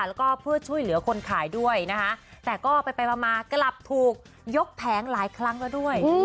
แล้วก็เพื่อช่วยเหลือคนขายด้วยนะคะแต่ก็ไปมากลับถูกยกแผงหลายครั้งแล้วด้วย